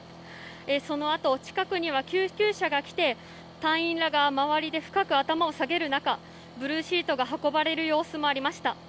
そのあと、近くには救急車が来て隊員らが周りで深く頭を下げる中ブルーシートが運ばれる様子もありました。